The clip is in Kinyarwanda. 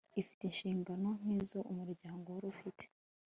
ifite inshingano nk izo umuryango wari ufite